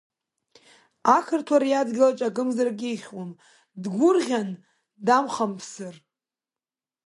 Ақырҭуа ари адгьылаҿ акымзарак ихьуам, дгәырӷьан дамхамԥсыр!